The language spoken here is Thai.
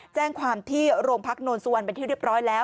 แจ้งความที่โรงพักโนนสุวรรณเป็นที่เรียบร้อยแล้ว